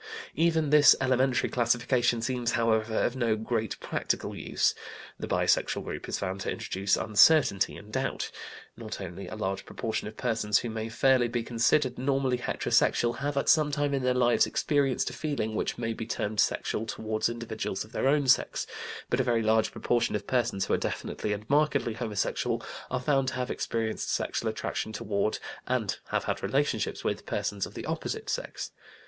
Even this elementary classification seems however of no great practical use. The bisexual group is found to introduce uncertainty and doubt. Not only a large proportion of persons who may fairly be considered normally heterosexual have at some time in their lives experienced a feeling which may be termed sexual toward individuals of their own sex, but a very large proportion of persons who are definitely and markedly homosexual are found to have experienced sexual attraction toward, and have had relationships with, persons of the opposite sex.